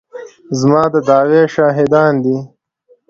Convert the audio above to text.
زما د دعوې شاهدانې دي.